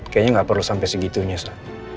kayaknya gak perlu sampai segitunya sa